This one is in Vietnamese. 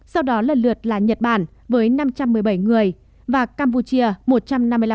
sau đó lần lượt là nhật bản với năm trăm một mươi bảy người và campuchia một trăm năm mươi năm